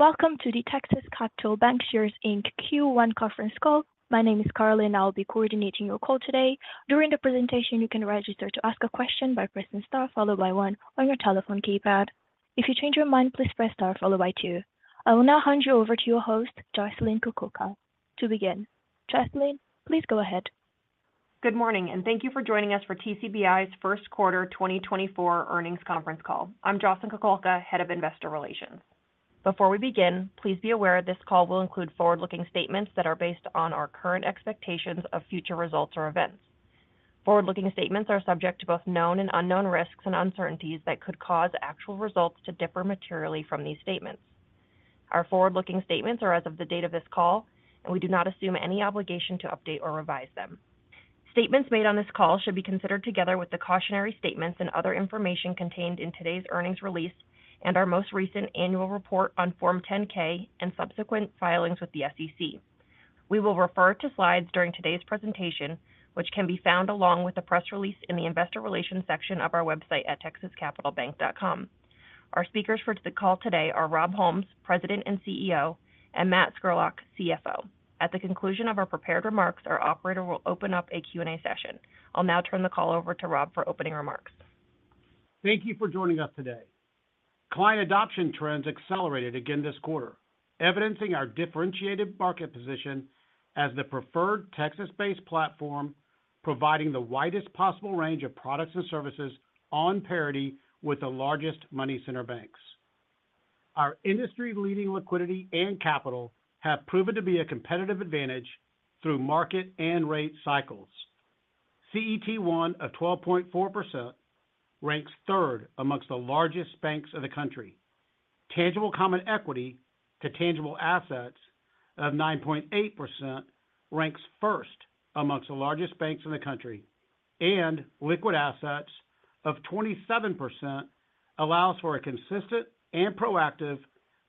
Welcome to the Texas Capital Bancshares, Inc. Q1 conference call. My name is Caroline, and I'll be coordinating your call today. During the presentation, you can register to ask a question by pressing Star, followed by 1, on your telephone keypad. If you change your mind, please press Star, followed by two. I will now hand you over to your host, Jocelyn Kukulka. To begin, Jocelyn, please go ahead. Good morning, and thank you for joining us for TCBI's Q1 2024 earnings conference call. I'm Jocelyn Kukulka, Head of Investor Relations. Before we begin, please be aware this call will include forward-looking statements that are based on our current expectations of future results or events. Forward-looking statements are subject to both known and unknown risks and uncertainties that could cause actual results to differ materially from these statements. Our forward-looking statements are as of the date of this call, and we do not assume any obligation to update or revise them. Statements made on this call should be considered together with the cautionary statements and other information contained in today's earnings release and our most recent annual report on Form 10-K and subsequent filings with the SEC. We will refer to slides during today's presentation, which can be found along with the press release in the Investor Relations section of our website at TexasCapitalBank.com. Our speakers for the call today are Rob Holmes, President and CEO, and Matt Scurlock, CFO. At the conclusion of our prepared remarks, our operator will open up a Q&A session. I'll now turn the call over to Rob for opening remarks. Thank you for joining us today. Client adoption trends accelerated again this quarter, evidencing our differentiated market position as the preferred Texas-based platform providing the widest possible range of products and services on parity with the largest money center banks. Our industry-leading liquidity and capital have proven to be a competitive advantage through market and rate cycles. CET1 of 12.4% ranks third among the largest banks of the country. Tangible Common Equity to Tangible Assets of 9.8% ranks first among the largest banks in the country, and Liquid Assets of 27% allows for a consistent and proactive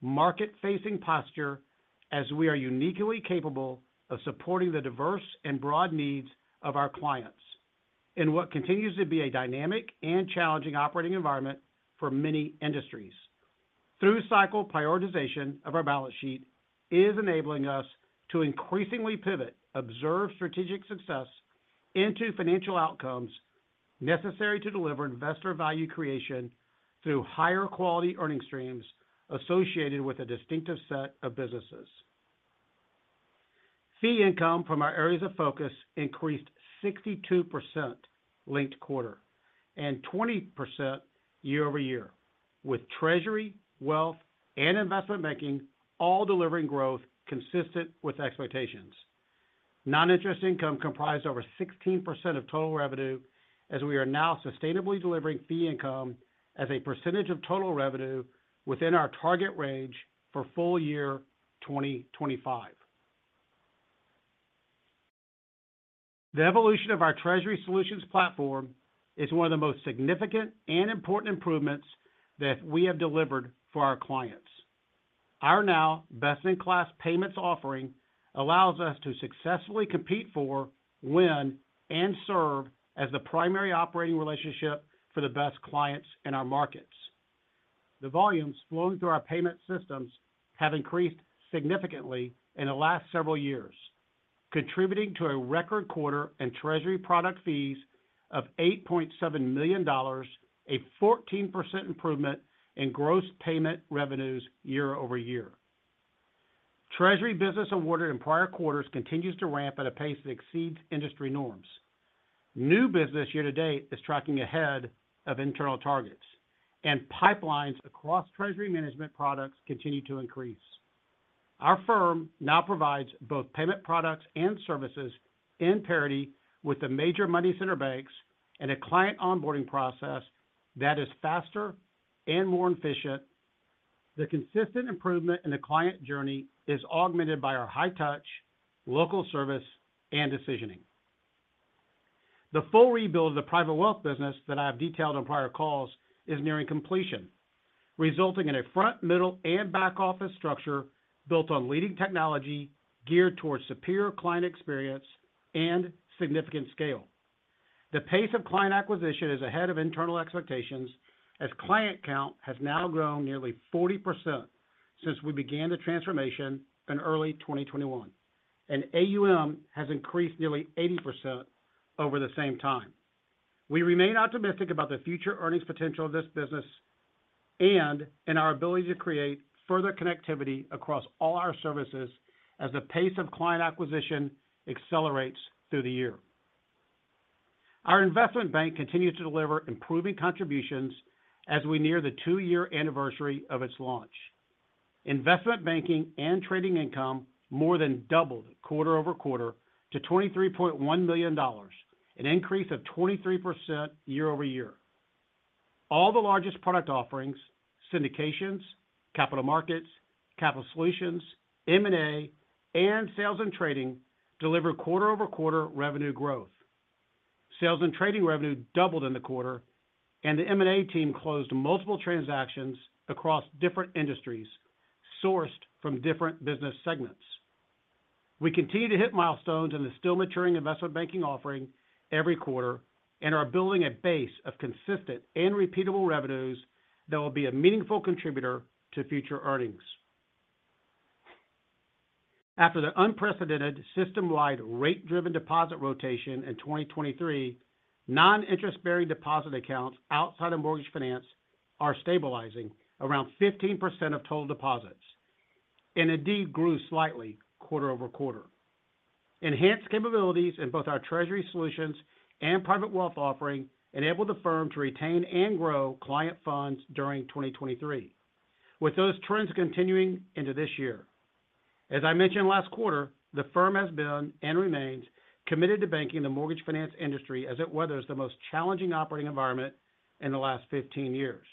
market-facing posture as we are uniquely capable of supporting the diverse and broad needs of our clients in what continues to be a dynamic and challenging operating environment for many industries. Through-cycle prioritization of our balance sheet is enabling us to increasingly pivot observed strategic success into financial outcomes necessary to deliver investor value creation through higher-quality earning streams associated with a distinctive set of businesses. Fee income from our areas of focus increased 62% linked-quarter and 20% year-over-year, with Treasury, Wealth, and Investment Banking all delivering growth consistent with expectations. Non-interest income comprised over 16% of total revenue as we are now sustainably delivering fee income as a percentage of total revenue within our target range for full year 2025. The evolution of our Treasury Solutions platform is one of the most significant and important improvements that we have delivered for our clients. Our now best-in-class payments offering allows us to successfully compete for, win, and serve as the primary operating relationship for the best clients in our markets. The volumes flowing through our payment systems have increased significantly in the last several years, contributing to a record quarter in Treasury product fees of $8.7 million, a 14% improvement in gross payment revenues year-over-year. Treasury business awarded in prior quarters continues to ramp at a pace that exceeds industry norms. New business year to date is tracking ahead of internal targets, and pipelines across Treasury management products continue to increase. Our firm now provides both payment products and services in parity with the major money center banks and a client onboarding process that is faster and more efficient. The consistent improvement in the client journey is augmented by our high-touch, local service, and decisioning. The full rebuild of the Private Wealth business that I have detailed on prior calls is nearing completion, resulting in a front, middle, and back office structure built on leading technology geared toward superior client experience and significant scale. The pace of client acquisition is ahead of internal expectations as client count has now grown nearly 40% since we began the transformation in early 2021, and AUM has increased nearly 80% over the same time. We remain optimistic about the future earnings potential of this business and in our ability to create further connectivity across all our services as the pace of client acquisition accelerates through the year. Our Investment Bank continues to deliver improving contributions as we near the two-year anniversary of its launch. Investment banking and trading income more than doubled quarter-over-quarter to $23.1 million, an increase of 23% year-over-year. All the largest product offerings (Syndications, Capital Markets, Capital Solutions, M&A, and Sales and Trading) deliver quarter-over-quarter revenue growth. Sales and trading revenue doubled in the quarter, and the M&A team closed multiple transactions across different industries sourced from different business segments. We continue to hit milestones in the still-maturing investment banking offering every quarter and are building a base of consistent and repeatable revenues that will be a meaningful contributor to future earnings. After the unprecedented system-wide rate-driven deposit rotation in 2023, non-interest-bearing deposit accounts outside of Mortgage Finance are stabilizing around 15% of total deposits and indeed grew slightly quarter-over-quarter. Enhanced capabilities in both our Treasury Solutions and Private Wealth offering enabled the firm to retain and grow client funds during 2023, with those trends continuing into this year. As I mentioned last quarter, the firm has been and remains committed to banking the Mortgage Finance industry as it weathers the most challenging operating environment in the last 15 years.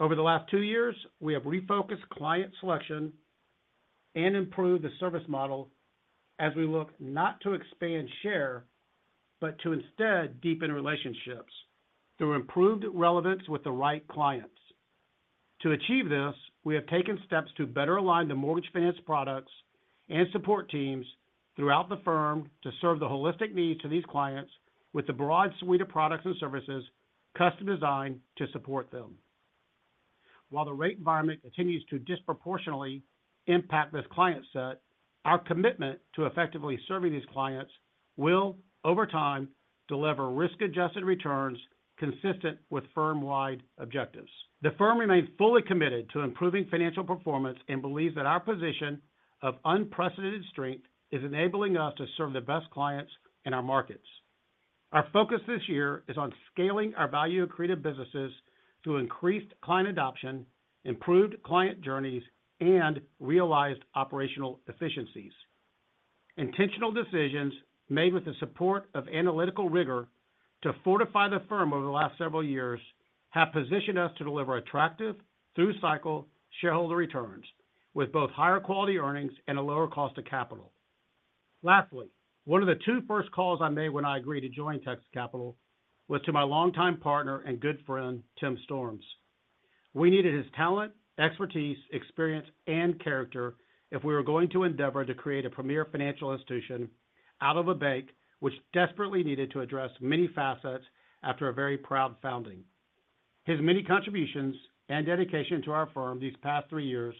Over the last two years, we have refocused client selection and improved the service model as we look not to expand share but to instead deepen relationships through improved relevance with the right clients. To achieve this, we have taken steps to better align the Mortgage Finance products and support teams throughout the firm to serve the holistic needs to these clients with the broad suite of products and services custom-designed to support them. While the rate environment continues to disproportionately impact this client set, our commitment to effectively serving these clients will, over time, deliver risk-adjusted returns consistent with firm-wide objectives. The firm remains fully committed to improving financial performance and believes that our position of unprecedented strength is enabling us to serve the best clients in our markets. Our focus this year is on scaling our value-accretive businesses through increased client adoption, improved client journeys, and realized operational efficiencies. Intentional decisions made with the support of analytical rigor to fortify the firm over the last several years have positioned us to deliver attractive through-cycle shareholder returns with both higher-quality earnings and a lower cost of capital. Lastly, one of the two first calls I made when I agreed to join Texas Capital was to my longtime partner and good friend, Tim Storms. We needed his talent, expertise, experience, and character if we were going to endeavor to create a premier financial institution out of a bank which desperately needed to address many facets after a very proud founding. His many contributions and dedication to our firm these past three years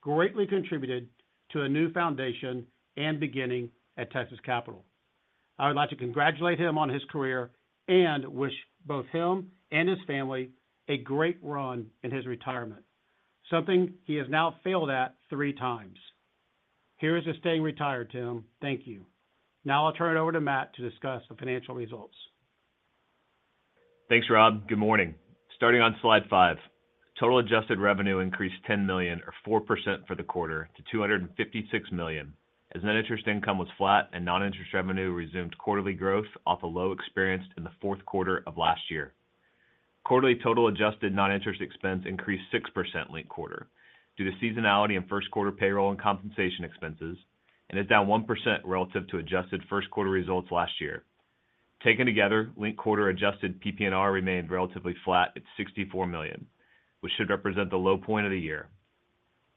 greatly contributed to a new foundation and beginning at Texas Capital. I would like to congratulate him on his career and wish both him and his family a great run in his retirement, something he has now failed at three times. Here's to his staying retired, Tim. Thank you. Now I'll turn it over to Matt to discuss the financial results. Thanks, Rob. Good morning. Starting on slide 5, total adjusted revenue increased $10 million, or 4% for the quarter, to $256 million, as non-interest income was flat and non-interest revenue resumed quarterly growth off a low experienced in the Q4 of last year. Quarterly total adjusted non-interest expense increased 6% linked quarter due to seasonality in Q1 payroll and compensation expenses and is down 1% relative to adjusted Q1 results last year. Taken together, linked quarter adjusted PP&R remained relatively flat at $64 million, which should represent the low point of the year.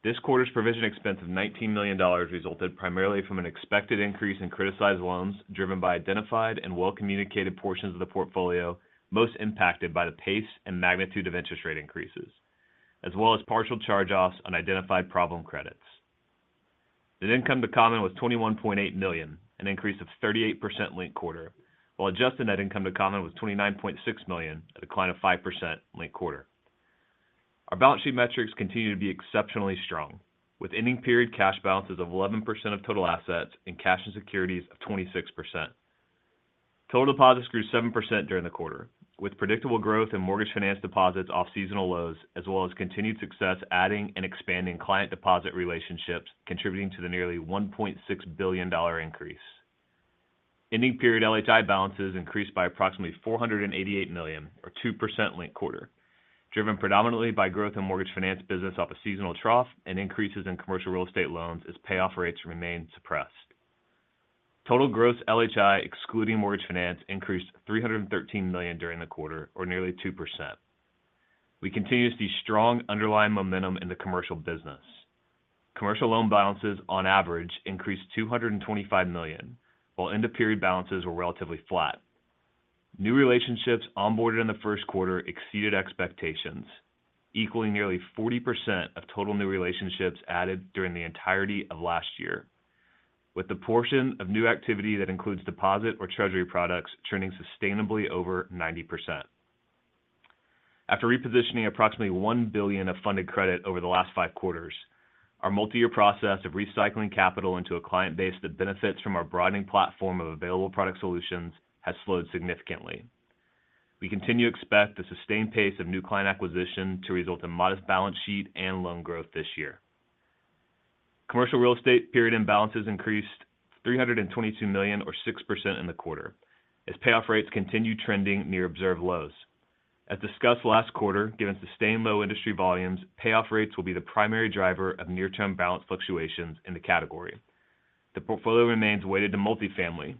This quarter's provision expense of $19 million resulted primarily from an expected increase in criticized loans driven by identified and well-communicated portions of the portfolio most impacted by the pace and magnitude of interest rate increases, as well as partial charge-offs on identified problem credits. The income to common was $21.8 million, an increase of 38% linked quarter, while adjusted net income to common was $29.6 million at a decline of 5% linked quarter. Our balance sheet metrics continue to be exceptionally strong, with ending period cash balances of 11% of total assets and cash and securities of 26%. Total deposits grew 7% during the quarter, with predictable growth in Mortgage Finance deposits off seasonal lows as well as continued success adding and expanding client deposit relationships contributing to the nearly $1.6 billion increase. Ending period LHI balances increased by approximately $488 million, or 2% linked quarter, driven predominantly by growth in Mortgage Finance business off a seasonal trough and increases in commercial real estate loans as payoff rates remain suppressed. Total gross LHI excluding Mortgage Finance increased $313 million during the quarter, or nearly 2%. We continue to see strong underlying momentum in the commercial business. Commercial loan balances, on average, increased $225 million, while end-of-period balances were relatively flat. New relationships onboarded in the Q1 exceeded expectations, equaling nearly 40% of total new relationships added during the entirety of last year, with the portion of new activity that includes deposit or Treasury products trending sustainably over 90%. After repositioning approximately $1 billion of funded credit over the last five quarters, our multi-year process of recycling capital into a client base that benefits from our broadening platform of available product solutions has slowed significantly. We continue to expect the sustained pace of new client acquisition to result in modest balance sheet and loan growth this year. Commercial real estate end-of-period balances increased $322 million, or 6%, in the quarter as payoff rates continue trending near observed lows. As discussed last quarter, given sustained low industry volumes, payoff rates will be the primary driver of near-term balance fluctuations in the category. The portfolio remains weighted to multifamily,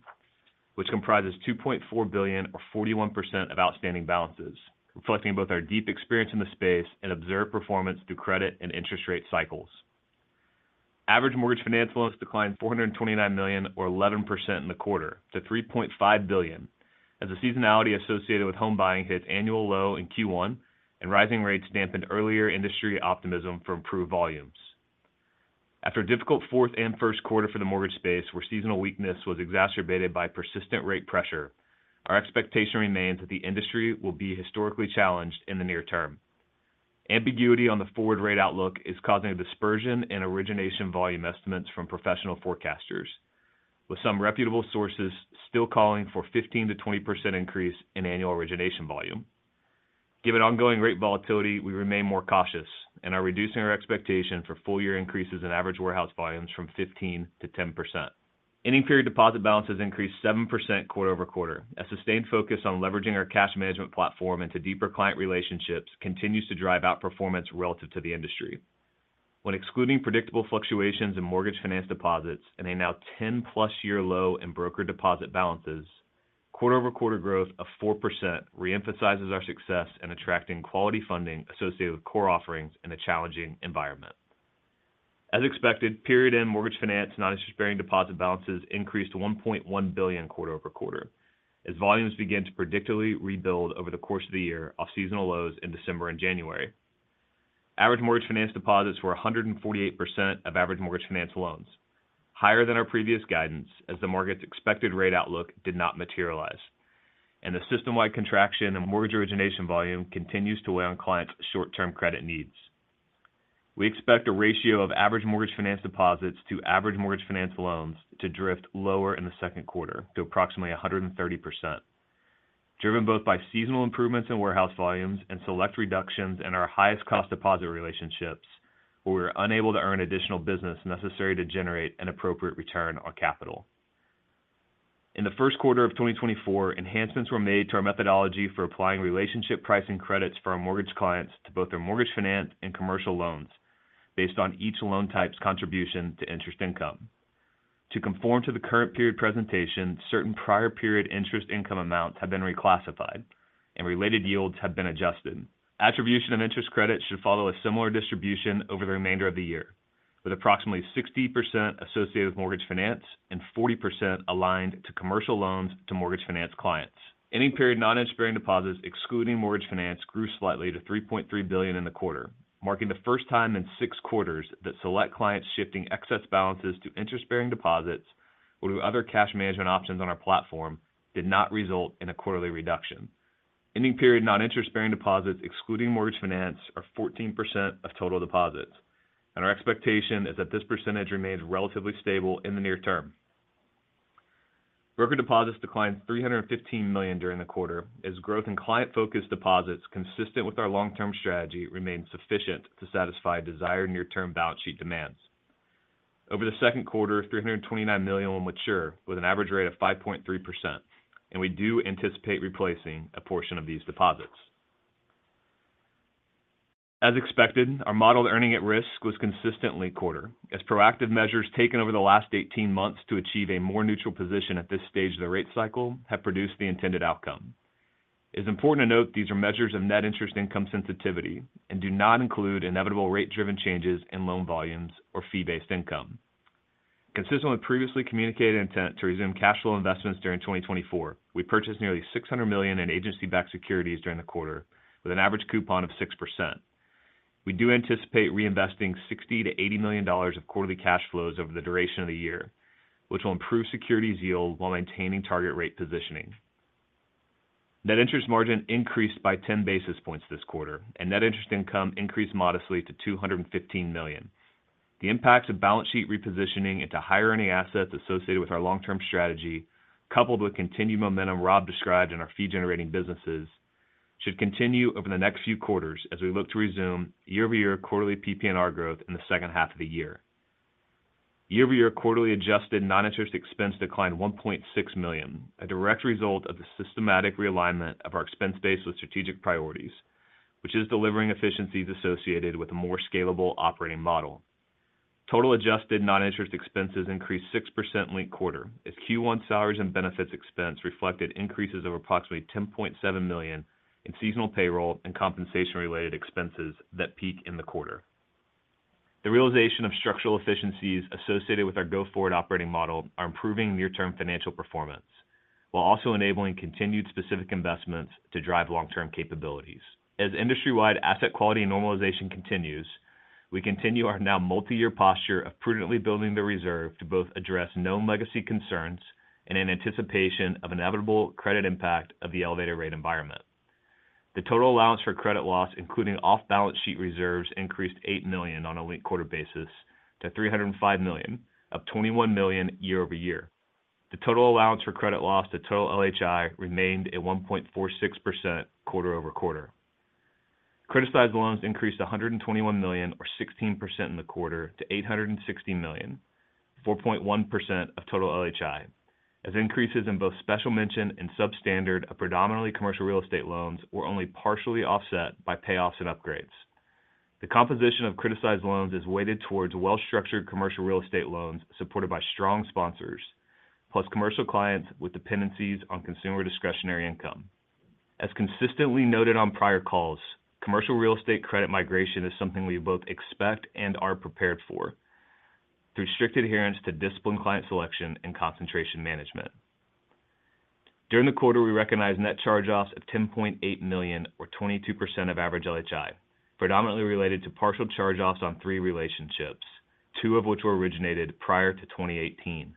which comprises $2.4 billion, or 41%, of outstanding balances, reflecting both our deep experience in the space and observed performance through credit and interest rate cycles. Average Mortgage Finance loans declined $429 million, or 11%, in the quarter to $3.5 billion as the seasonality associated with home buying hit annual low in Q1 and rising rates dampened earlier industry optimism for improved volumes. After a difficult fourth and Q1 for the mortgage space, where seasonal weakness was exacerbated by persistent rate pressure, our expectation remains that the industry will be historically challenged in the near term. Ambiguity on the forward rate outlook is causing a dispersion in origination volume estimates from professional forecasters, with some reputable sources still calling for 15% to 20% increase in annual origination volume. Given ongoing rate volatility, we remain more cautious and are reducing our expectation for full-year increases in average warehouse volumes from 15% to 10%. Ending period deposit balances increased 7% quarter-over-quarter as sustained focus on leveraging our cash management platform into deeper client relationships continues to drive out performance relative to the industry. When excluding predictable fluctuations in Mortgage Finance deposits and a now 10+ year low in broker deposit balances, quarter-over-quarter growth of 4% reemphasizes our success in attracting quality funding associated with core offerings in a challenging environment. As expected, period-end Mortgage Finance non-interest-bearing deposit balances increased $1.1 billion quarter-over-quarter as volumes began to predictably rebuild over the course of the year off seasonal lows in December and January. Average Mortgage Finance deposits were 148% of average Mortgage Finance loans, higher than our previous guidance as the market's expected rate outlook did not materialize, and the system-wide contraction in mortgage origination volume continues to weigh on clients' short-term credit needs. We expect a ratio of average Mortgage Finance deposits to average Mortgage Finance loans to drift lower in the Q2 to approximately 130%. Driven both by seasonal improvements in warehouse volumes and select reductions in our highest-cost deposit relationships, where we were unable to earn additional business necessary to generate an appropriate return on capital. In the Q1 of 2024, enhancements were made to our methodology for applying relationship pricing credits for our mortgage clients to both their Mortgage Finance and commercial loans based on each loan type's contribution to interest income. To conform to the current period presentation, certain prior period interest income amounts have been reclassified, and related yields have been adjusted. Attribution of interest credit should follow a similar distribution over the remainder of the year, with approximately 60% associated with Mortgage Finance and 40% aligned to commercial loans to Mortgage Finance clients. Ending period non-interest-bearing deposits excluding Mortgage Finance grew slightly to $3.3 billion in the quarter, marking the first time in six quarters that select clients shifting excess balances to interest-bearing deposits or to other cash management options on our platform did not result in a quarterly reduction. Ending period non-interest-bearing deposits excluding Mortgage Finance are 14% of total deposits, and our expectation is that this percentage remains relatively stable in the near term. Broker deposits declined $315 million during the quarter as growth in client-focused deposits consistent with our long-term strategy remained sufficient to satisfy desired near-term balance sheet demands. Over the Q2, $329 million will mature with an average rate of 5.3%, and we do anticipate replacing a portion of these deposits. As expected, our model of earnings at risk was consistent, linked quarter as proactive measures taken over the last 18 months to achieve a more neutral position at this stage of the rate cycle have produced the intended outcome. It is important to note these are measures of net interest income sensitivity and do not include inevitable rate-driven changes in loan volumes or fee-based income. Consistent with previously communicated intent to resume cash flow investments during 2024, we purchased nearly $600 million in agency-backed securities during the quarter with an average coupon of 6%. We do anticipate reinvesting $60 million-$80 million of quarterly cash flows over the duration of the year, which will improve securities yield while maintaining target rate positioning. Net interest margin increased by 10 basis points this quarter, and net interest income increased modestly to $215 million. The impact of balance sheet repositioning into higher-earning assets associated with our long-term strategy, coupled with continued momentum Rob described in our fee-generating businesses, should continue over the next few quarters as we look to resume year-over-year quarterly PP&R growth in the second half of the year. Year-over-year quarterly adjusted non-interest expense declined $1.6 million, a direct result of the systematic realignment of our expense base with strategic priorities, which is delivering efficiencies associated with a more scalable operating model. Total adjusted non-interest expenses increased 6% linked quarter as Q1 salaries and benefits expense reflected increases of approximately $10.7 million in seasonal payroll and compensation-related expenses that peak in the quarter. The realization of structural efficiencies associated with our go-forward operating model are improving near-term financial performance while also enabling continued specific investments to drive long-term capabilities. As industry-wide asset quality normalization continues, we continue our now multi-year posture of prudently building the reserve to both address known legacy concerns in anticipation of inevitable credit impact of the elevated rate environment. The total allowance for credit loss, including off-balance sheet reserves, increased $8 million on a linked-quarter basis to $305 million, up $21 million year-over-year. The total allowance for credit loss to total LHI remained at 1.46% quarter-over-quarter. Criticized loans increased $121 million, or 16%, in the quarter to $860 million, 4.1% of total LHI, as increases in both Special Mention and Substandard, of predominantly commercial real estate loans were only partially offset by payoffs and upgrades. The composition of criticized loans is weighted towards well-structured commercial real estate loans supported by strong sponsors, plus commercial clients with dependencies on consumer discretionary income. As consistently noted on prior calls, commercial real estate credit migration is something we both expect and are prepared for through strict adherence to disciplined client selection and concentration management. During the quarter, we recognized net charge-offs of $10.8 million, or 22%, of average LHI, predominantly related to partial charge-offs on three relationships, two of which were originated prior to 2018.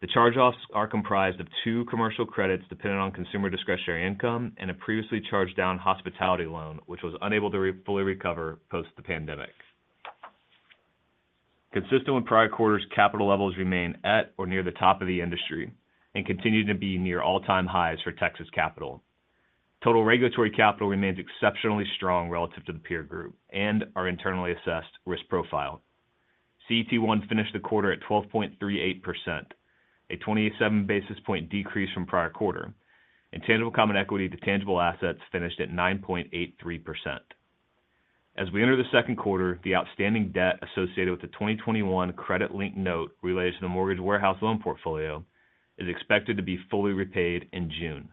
The charge-offs are comprised of two commercial credits dependent on consumer discretionary income and a previously charged-down hospitality loan, which was unable to fully recover post the pandemic. Consistent with prior quarters, capital levels remain at or near the top of the industry and continue to be near all-time highs for Texas Capital. Total regulatory capital remains exceptionally strong relative to the peer group and our internally assessed risk profile. CET1 finished the quarter at 12.38%, a 27 basis point decrease from prior quarter, and tangible common equity to tangible assets finished at 9.83%. As we enter the Q2, the outstanding debt associated with the 2021 credit-linked note related to the mortgage warehouse loan portfolio is expected to be fully repaid in June.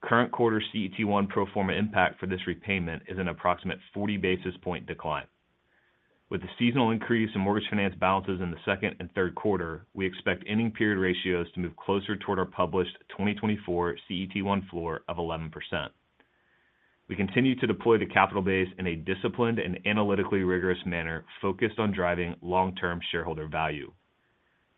Current quarter CET1 pro forma impact for this repayment is an approximate 40 basis points decline. With the seasonal increase in Mortgage Finance balances in the second and Q3, we expect ending period ratios to move closer toward our published 2024 CET1 floor of 11%. We continue to deploy the capital base in a disciplined and analytically rigorous manner focused on driving long-term shareholder value.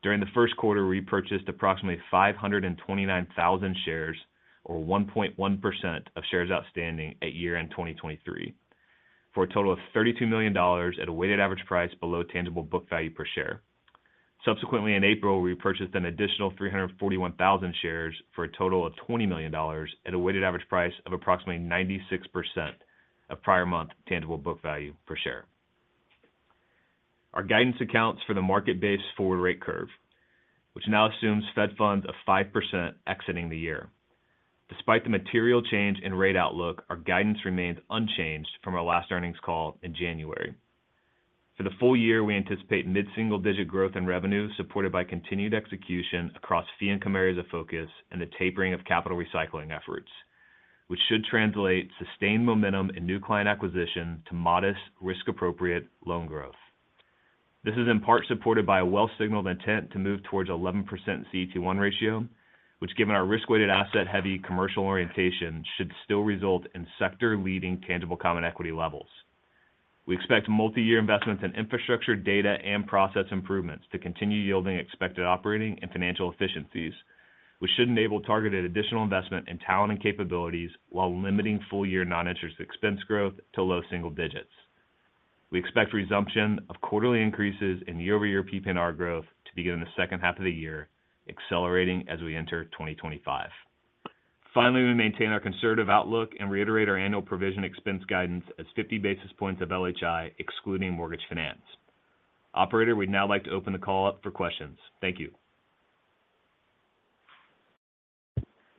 During the Q1, we purchased approximately 529,000 shares, or 1.1%, of shares outstanding at year-end 2023 for a total of $32 million at a weighted average price below tangible book value per share. Subsequently, in April, we purchased an additional 341,000 shares for a total of $20 million at a weighted average price of approximately 96% of prior month tangible book value per share. Our guidance accounts for the market-based forward rate curve, which now assumes Fed funds of 5% exiting the year. Despite the material change in rate outlook, our guidance remains unchanged from our last earnings call in January. For the full year, we anticipate mid-single-digit growth in revenue supported by continued execution across fee-income areas of focus and the tapering of capital recycling efforts, which should translate sustained momentum in new client acquisition to modest, risk-appropriate loan growth. This is in part supported by a well-signaled intent to move towards 11% CET1 ratio, which, given our risk-weighted asset-heavy commercial orientation, should still result in sector-leading tangible common equity levels. We expect multi-year investments in infrastructure data and process improvements to continue yielding expected operating and financial efficiencies, which should enable targeted additional investment in talent and capabilities while limiting full-year non-interest expense growth to low single digits. We expect resumption of quarterly increases in year-over-year PP&R growth to begin in the second half of the year, accelerating as we enter 2025. Finally, we maintain our conservative outlook and reiterate our annual provision expense guidance as 50 basis points of LHI excluding Mortgage Finance. Operator, we'd now like to open the call up for questions. Thank you.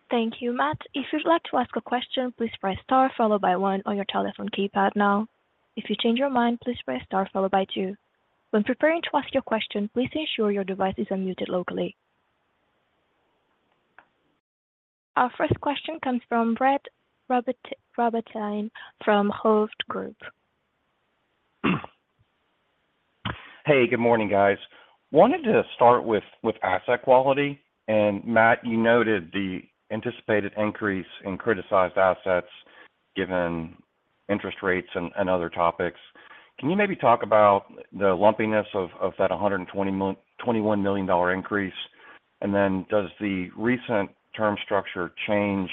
Thank you, Matt. If you'd like to ask a question, please press star followed by one on your telephone keypad now. If you change your mind, please press star followed by two. When preparing to ask your question, please ensure your device is unmuted locally. Our first question comes from Brett Rabatin from Hovde Group. Hey, good morning, guys. Wanted to start with asset quality. And Matt, you noted the anticipated increase in criticized assets given interest rates and other topics. Can you maybe talk about the lumpiness of that $121 million increase? And then does the recent term structure change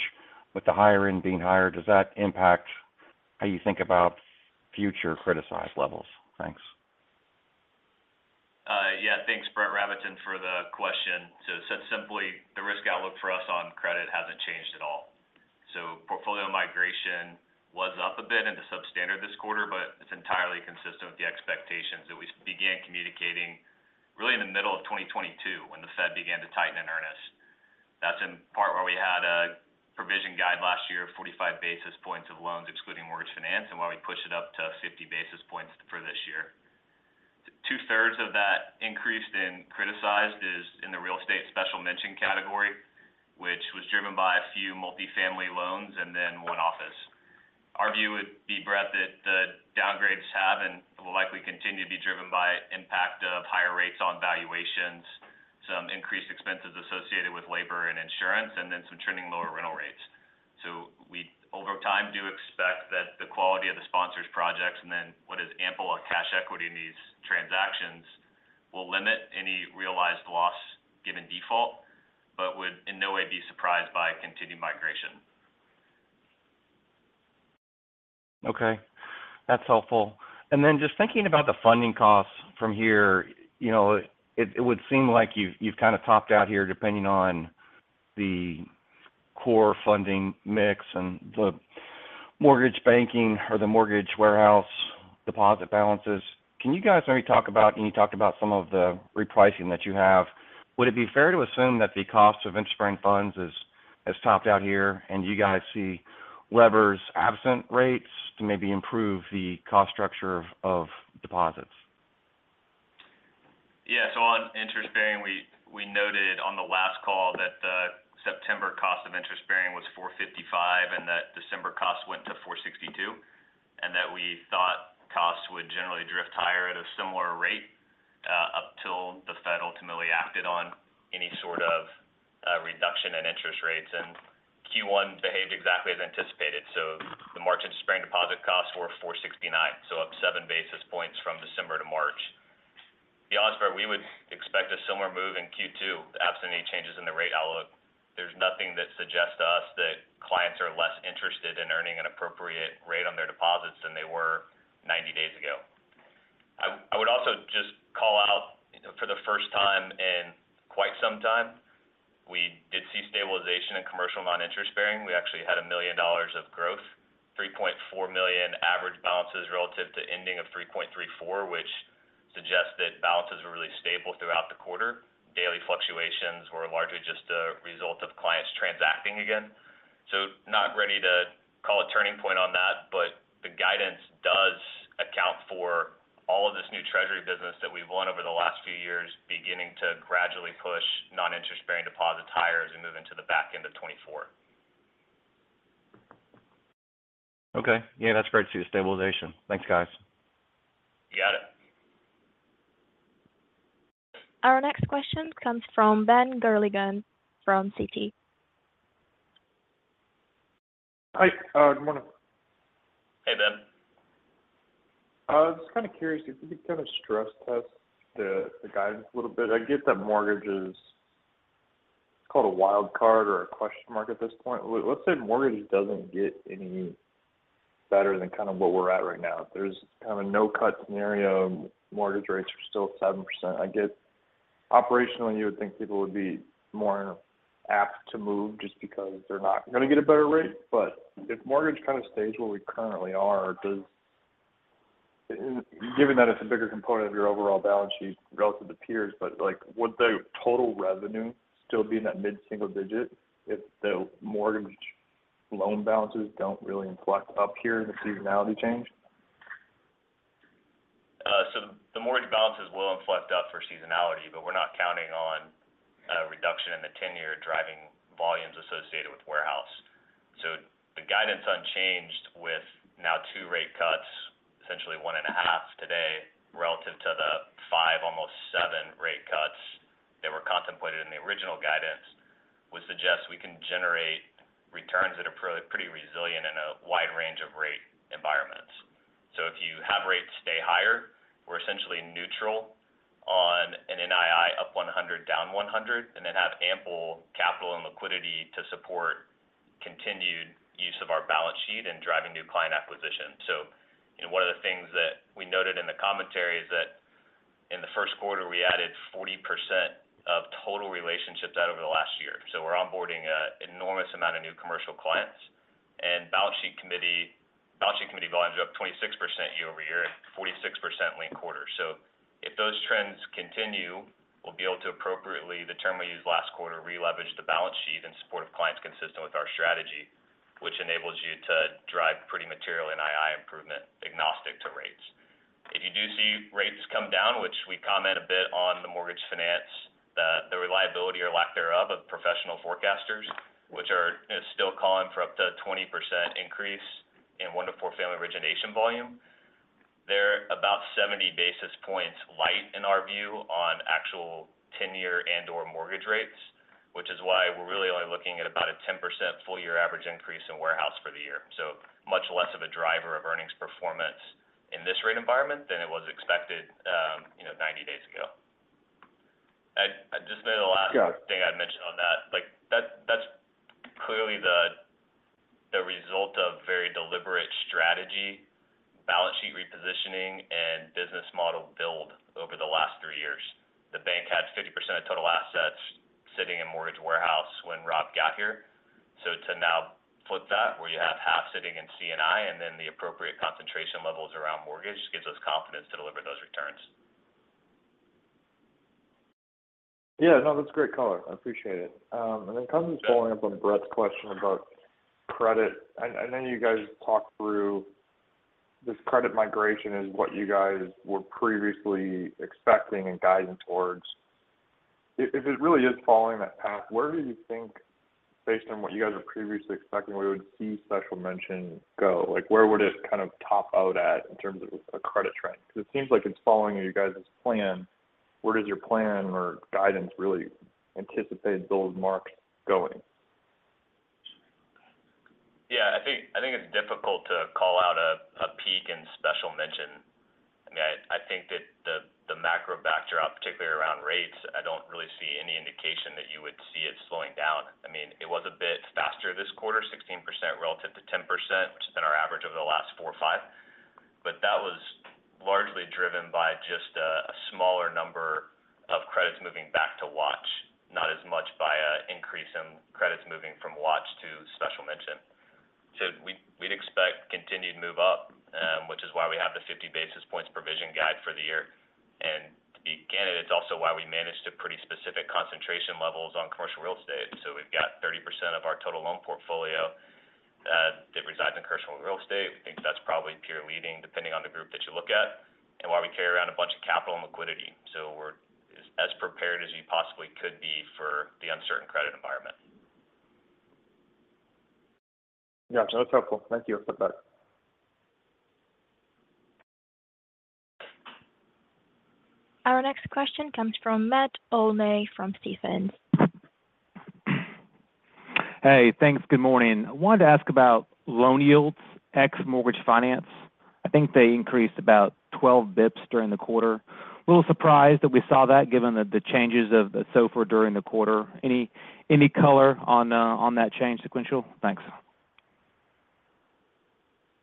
with the higher-end being higher? Does that impact how you think about future criticized levels? Thanks. Yeah. Thanks, Brett Rabatin, for the question. So said simply, the risk outlook for us on credit hasn't changed at all. So portfolio migration was up a bit into Substandard this quarter, but it's entirely consistent with the expectations that we began communicating really in the middle of 2022 when the Fed began to tighten in earnest. That's in part why we had a provision guide last year of 45 basis points of loans excluding Mortgage Finance and why we pushed it up to 50 basis points for this year. Two-thirds of that increase in criticized is in the real estate Special Mention category, which was driven by a few multifamily loans and then one office. Our view would be, Brett, that the downgrades have and will likely continue to be driven by impact of higher rates on valuations, some increased expenses associated with labor and insurance, and then some trending lower rental rates. So we, over time, do expect that the quality of the sponsors' projects and then what is ample cash equity in these transactions will limit any realized loss given default but would in no way be surprised by continued migration. Okay. That's helpful. And then just thinking about the funding costs from here, it would seem like you've kind of topped out here depending on the core funding mix and the mortgage banking or the mortgage warehouse deposit balances. Can you guys maybe talk about, and you talked about some of the repricing that you have. Would it be fair to assume that the cost of interest-bearing funds has topped out here and you guys see levers absent rates to maybe improve the cost structure of deposits? Yeah. So on interest-bearing, we noted on the last call that the September cost of interest-bearing was 4.55% and that December cost went to 4.62% and that we thought costs would generally drift higher at a similar rate up till the Fed ultimately acted on any sort of reduction in interest rates. Q1 behaved exactly as anticipated. The March interest-bearing deposit costs were 4.69%, so up 7 basis points from December to March. Beyond that, we would expect a similar move in Q2 absent any changes in the rate outlook. There's nothing that suggests to us that clients are less interested in earning an appropriate rate on their deposits than they were 90 days ago. I would also just call out, for the first time in quite some time, we did see stabilization in commercial non-interest-bearing. We actually had $1 million of growth, $3.4 million average balances relative to ending of $3.34, which suggests that balances were really stable throughout the quarter. Daily fluctuations were largely just a result of clients transacting again. So not ready to call a turning point on that, but the guidance does account for all of this new treasury business that we've won over the last few years beginning to gradually push non-interest-bearing deposits higher as we move into the back end of 2024. Okay. Yeah, that's great to see the stabilization. Thanks, guys. You got it. Our next question comes from Ben Gerlinger from Citi. Hi. Good morning. Hey, Ben. I was kind of curious. If you could kind of stress-test the guidance a little bit. I get that mortgage, it's called a wild card or a question mark at this point. Let's say mortgage doesn't get any better than kind of what we're at right now. There's kind of a no-cut scenario. Mortgage rates are still 7%. Operationally, you would think people would be more apt to move just because they're not going to get a better rate. But if mortgage kind of stays where we currently are, given that it's a bigger component of your overall balance sheet relative to peers, but would the total revenue still be in that mid-single digit if the mortgage loan balances don't really inflect up here in the seasonality change? So the mortgage balances will inflect up for seasonality, but we're not counting on a reduction in the 10-year driving volumes associated with warehouse. So the guidance unchanged with now 2 rate cuts, essentially 1.5 today, relative to the 5, almost 7 rate cuts that were contemplated in the original guidance would suggest we can generate returns that are pretty resilient in a wide range of rate environments. So if you have rates stay higher, we're essentially neutral on an NII up 100, down 100, and then have ample capital and liquidity to support continued use of our balance sheet and driving new client acquisition. So one of the things that we noted in the commentary is that in the Q1, we added 40% of total relationships out over the last year. So we're onboarding an enormous amount of new commercial clients. Balance sheet committee volumes are up 26% year-over-year and 46% linked quarter. So if those trends continue, we'll be able to appropriately, the term we used last quarter, re-leverage the balance sheet in support of clients consistent with our strategy, which enables you to drive pretty material NII improvement agnostic to rates. If you do see rates come down, which we comment a bit on the Mortgage Finance, the reliability or lack thereof of professional forecasters, which are still calling for up to a 20% increase in 1-4-family origination volume, they're about 70 basis points light, in our view, on actual 10-year and/or mortgage rates, which is why we're really only looking at about a 10% full-year average increase in warehouse for the year. So much less of a driver of earnings performance in this rate environment than it was expected 90 days ago. I just made the last thing I'd mentioned on that. That's clearly the result of very deliberate strategy, balance sheet repositioning, and business model build over the last three years. The bank had 50% of total assets sitting in mortgage warehouse when Rob got here. So to now flip that, where you have half sitting in C&I and then the appropriate concentration levels around mortgage, gives us confidence to deliver those returns. Yeah. No, that's great color. I appreciate it. And then kind of just following up on Brett's question about credit, I know you guys talked through this credit migration as what you guys were previously expecting and guiding towards. If it really is following that path, where do you think, based on what you guys were previously expecting, we would see go? Where would it kind of top out at in terms of a credit trend? Because it seems like it's following you guys' plan. Where does your plan or guidance really anticipate those marks going? Yeah. I think it's difficult to call out a peak in Special Mention. I mean, I think that the macro backdrop, particularly around rates, I don't really see any indication that you would see it slowing down. I mean, it was a bit faster this quarter, 16% relative to 10%, which has been our average over the last four or five. But that was largely driven by just a smaller number of credits moving back to watch, not as much by an increase in credits moving from watch to Special Mention. So we'd expect continued move up, which is why we have the 50 basis points provision guide for the year. And to be candid, it's also why we managed to pretty specific concentration levels on commercial real estate. So we've got 30% of our total loan portfolio that resides in commercial real estate. We think that's probably pure leading, depending on the group that you look at, and why we carry around a bunch of capital and liquidity. So we're as prepared as you possibly could be for the uncertain credit environment. Gotcha. That's helpful. Thank you. Good luck. Our next question comes from Matt Olney from Stephens. Hey. Thanks. Good morning. I wanted to ask about loan yields ex-Mortgage Finance. I think they increased about 12 basis points during the quarter. A little surprised that we saw that given the changes so far during the quarter. Any color on that change sequential? Thanks.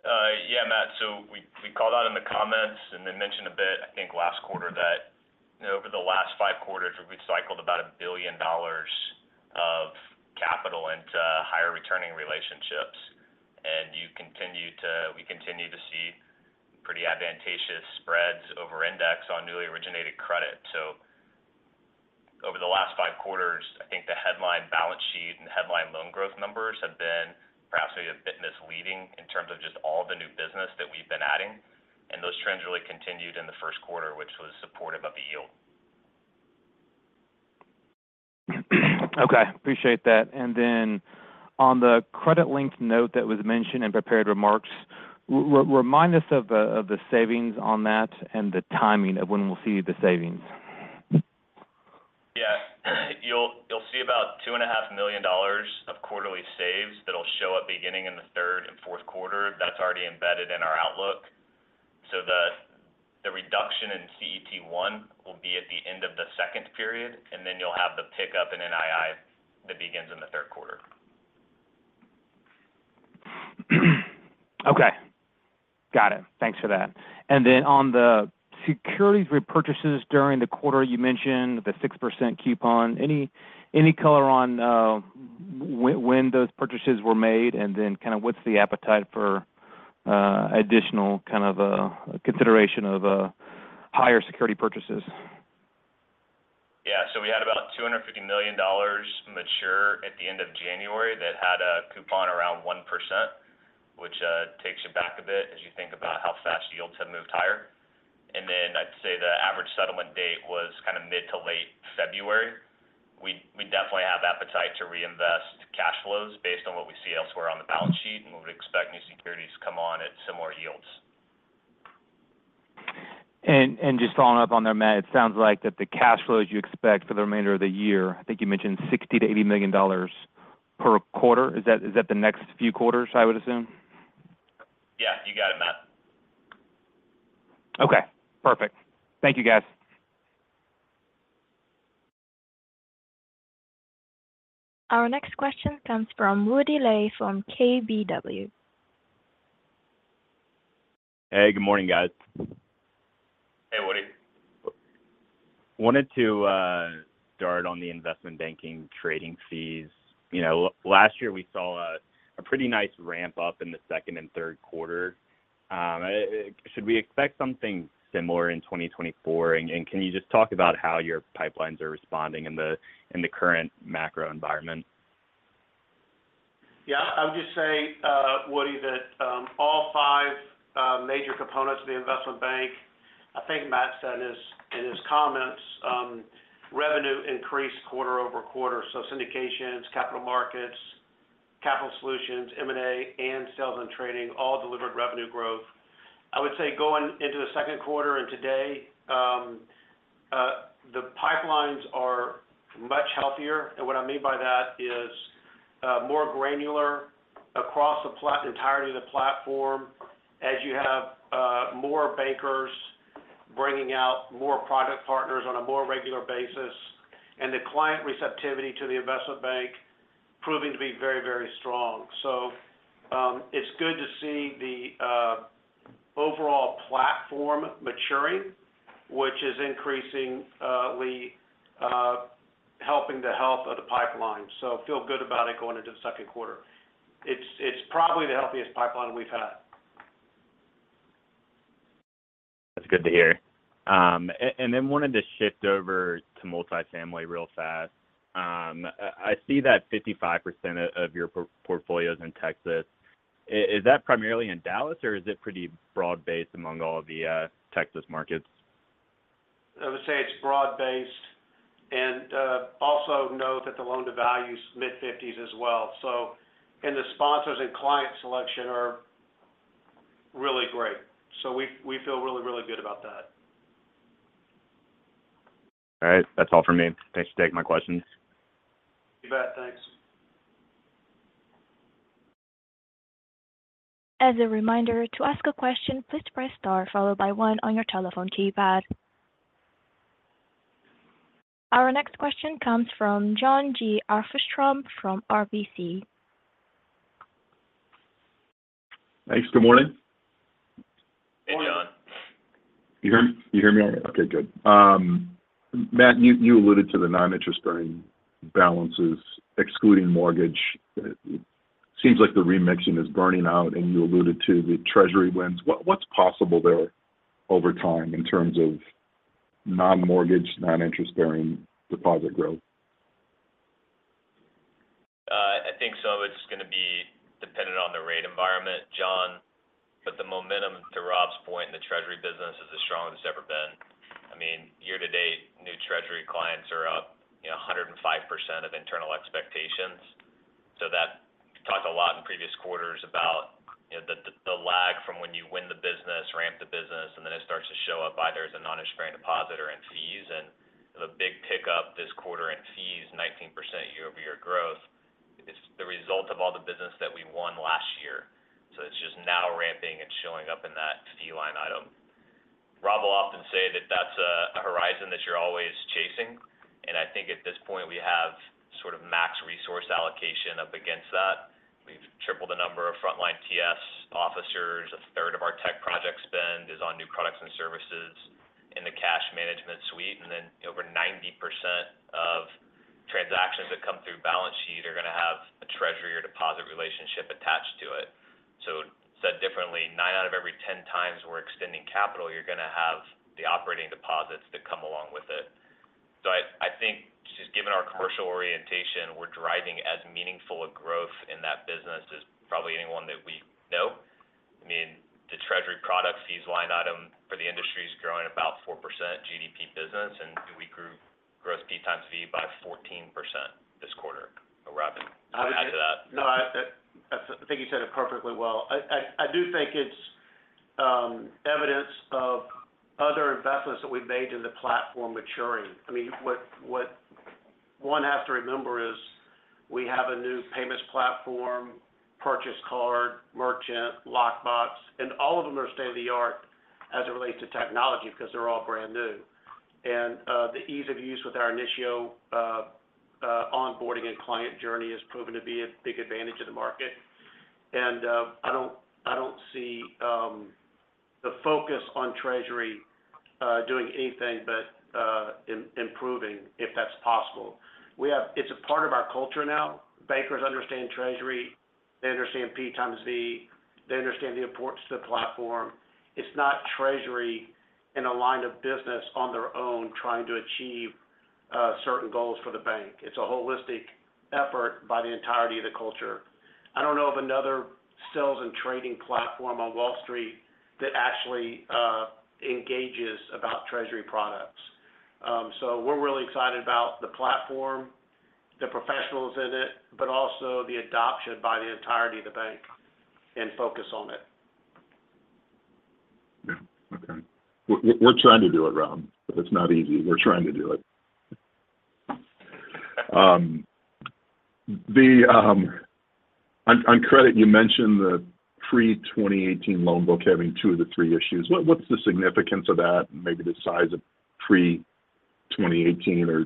Yeah, Matt. So we called out in the comments, and they mentioned a bit, I think, last quarter that over the last five quarters, we've cycled about $1 billion of capital into higher-returning relationships. And we continue to see pretty advantageous spreads over index on newly originated credit. So over the last five quarters, I think the headline balance sheet and headline loan growth numbers have been perhaps maybe a bit misleading in terms of just all the new business that we've been adding. And those trends really continued in the Q1, which was supportive of the yield. Okay. Appreciate that. And then on the credit-linked note that was mentioned in prepared remarks, remind us of the savings on that and the timing of when we'll see the savings. Yeah. You'll see about $2.5 million of quarterly saves that'll show up beginning in the third and Q4. That's already embedded in our outlook. So the reduction in CET1 will be at the end of the second period, and then you'll have the pickup in NII that begins in the Q3. Okay. Got it. Thanks for that. And then on the securities repurchases during the quarter, you mentioned the 6% coupon. Any color on when those purchases were made and then kind of what's the appetite for additional kind of consideration of higher security purchases? Yeah. So we had about $250 million mature at the end of January that had a coupon around 1%, which takes you back a bit as you think about how fast yields have moved higher. And then I'd say the average settlement date was kind of mid to late February. We definitely have appetite to reinvest cash flows based on what we see elsewhere on the balance sheet, and we would expect new securities to come on at similar yields. Just following up on there, Matt, it sounds like that the cash flows you expect for the remainder of the year, I think you mentioned $60 million-$80 million per quarter. Is that the next few quarters, I would assume? Yeah. You got it, Matt. Okay. Perfect. Thank you, guys. Our next question comes from Woody Lay from KBW. Hey. Good morning, guys. Hey, Woody. Wanted to start on the investment banking trading fees. Last year, we saw a pretty nice ramp-up in the second and Q3. Should we expect something similar in 2024? Can you just talk about how your pipelines are responding in the current macro environment? Yeah. I would just say, Woody, that all five major components of the Investment Bank, I think Matt said in his comments, revenue increased quarter-over-quarter. So Syndications, Capital Markets, Capital Solutions, M&A, and Sales and Trading all delivered revenue growth. I would say going into the Q2 and today, the pipelines are much healthier. And what I mean by that is more granular across the entirety of the platform as you have more bankers bringing out more product partners on a more regular basis and the client receptivity to the Investment Bank proving to be very, very strong. So it's good to see the overall platform maturing, which is increasingly helping the health of the pipeline. So feel good about it going into the Q2. It's probably the healthiest pipeline we've had. That's good to hear. And then wanted to shift over to multi-family real fast. I see that 55% of your portfolio is in Texas. Is that primarily in Dallas, or is it pretty broad-based among all of the Texas markets? I would say it's broad-based. Also note that the loan-to-value is mid-50s as well. So, the sponsors and client selection are really great. So we feel really, really good about that. All right. That's all from me. Thanks for taking my questions. You bet. Thanks. As a reminder, to ask a question, please press star followed by one on your telephone keypad. Our next question comes from Jon Arfstrom from RBC. Thanks. Good morning. Hey, Jon. You hear me all right? Okay. Good. Matt, you alluded to the non-interest-bearing balances excluding mortgage. It seems like the remixing is burning out, and you alluded to the treasury wins. What's possible there over time in terms of non-mortgage, non-interest-bearing deposit growth? I think some of it's going to be dependent on the rate environment, Jon, but the momentum, to Rob's point, in the treasury business is as strong as it's ever been. I mean, year to date, new treasury clients are up 105% of internal expectations. So we talked a lot in previous quarters about the lag from when you win the business, ramp the business, and then it starts to show up either as a non-interest-bearing deposit or in fees. And the big pickup this quarter in fees, 19% year-over-year growth, is the result of all the business that we won last year. So it's just now ramping and showing up in that fee line item. Rob will often say that that's a horizon that you're always chasing. And I think at this point, we have sort of max resource allocation up against that. We've tripled the number of frontline TS officers. A third of our tech project spend is on new products and services in the cash management suite. Then over 90% of transactions that come through balance sheet are going to have a treasury or deposit relationship attached to it. So said differently, nine out of every 10 times we're extending capital, you're going to have the operating deposits that come along with it. So I think just given our commercial orientation, we're driving as meaningful a growth in that business as probably anyone that we know. I mean, the treasury product fees line item for the industry is growing about 4% GDP business, and we grew gross P times V by 14% this quarter. Rob, can you add to that? No, I think you said it perfectly well. I do think it's evidence of other investments that we've made in the platform maturing. I mean, what one has to remember is we have a new payments platform, purchase card, merchant, lockbox. And all of them are state-of-the-art as it relates to technology because they're all brand new. And the ease of use with our initial onboarding and client journey has proven to be a big advantage of the market. And I don't see the focus on treasury doing anything but improving, if that's possible. It's a part of our culture now. Bankers understand treasury. They understand P times V. They understand the importance of the platform. It's not treasury in a line of business on their own trying to achieve certain goals for the bank. It's a holistic effort by the entirety of the culture. I don't know of another sales and trading platform on Wall Street that actually engages about treasury products. So we're really excited about the platform, the professionals in it, but also the adoption by the entirety of the bank and focus on it. Yeah. Okay. We're trying to do it, Rob, but it's not easy. We're trying to do it. On credit, you mentioned the pre-2018 loan book having two of the three issues. What's the significance of that and maybe the size of pre-2018, or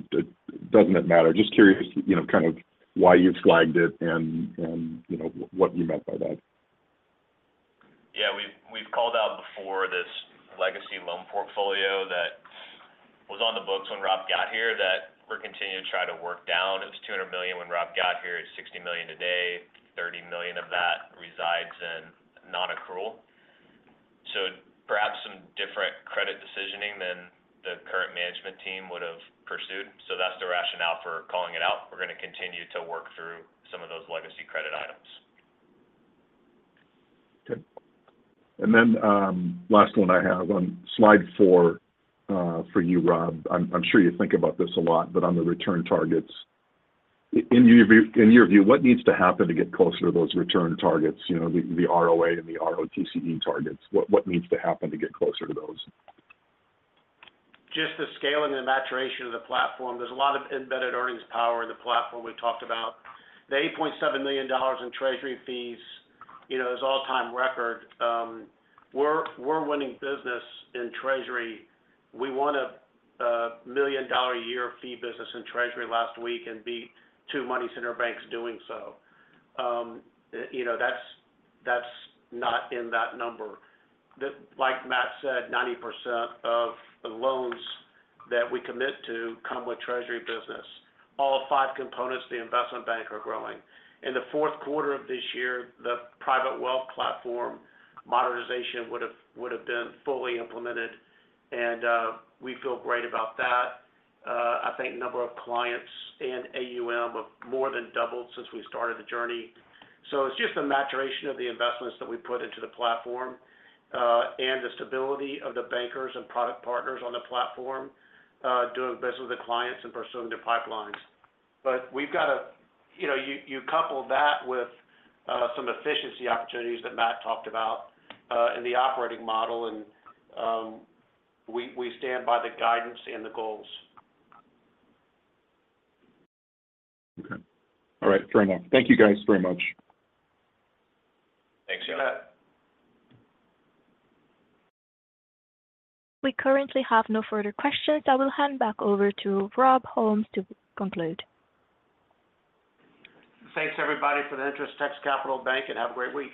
doesn't it matter? Just curious kind of why you flagged it and what you meant by that. Yeah. We've called out before this legacy loan portfolio that was on the books when Rob got here that we're continuing to try to work down. It was $200 million when Rob got here. It's $60 million today. $30 million of that resides in non-accrual. So perhaps some different credit decisioning than the current management team would have pursued. So that's the rationale for calling it out. We're going to continue to work through some of those legacy credit items. Okay. And then last one I have. On slide four for you, Rob, I'm sure you think about this a lot, but on the return targets, in your view, what needs to happen to get closer to those return targets, the ROA and the ROTCE targets? What needs to happen to get closer to those? Just the scaling and the maturation of the platform. There's a lot of embedded earnings power in the platform we talked about. The $8.7 million in treasury fees is all-time record. We're winning business in treasury. We won a $1 million-a-year fee business in treasury last week and beat two money-center banks doing so. That's not in that number. Like Matt said, 90% of the loans that we commit to come with treasury business. All five components, the Investment Bank, are growing. In the Q4 of this year, the Private Wealth platform modernization would have been fully implemented, and we feel great about that. I think the number of clients in AUM have more than doubled since we started the journey. So it's just the maturation of the investments that we put into the platform and the stability of the bankers and product partners on the platform doing business with the clients and pursuing their pipelines. But we've got to couple that with some efficiency opportunities that Matt talked about in the operating model, and we stand by the guidance and the goals. Okay. All right. Fair enough. Thank you guys very much. Thanks, Jon. You bet. We currently have no further questions. I will hand back over to Rob Holmes to conclude. Thanks, everybody, for the interest. Texas Capital Bank, and have a great week.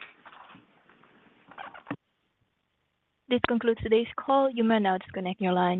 This concludes today's call. You may now disconnect your line.